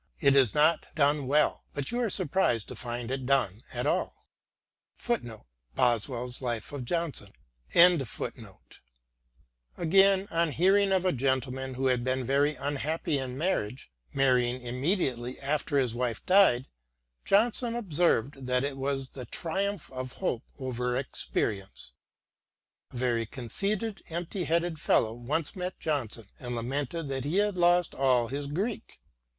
It is not done well, but you are surprised to find it done at all." * Again, on hearing of a gentleman who had been very unhappy in marriage, marrying immediately after his wife died, Johnson observed that it was the triumph of hope over experience. A very conceited, empty headed fellow once met Johnson and lamented that he had lost all his Greek.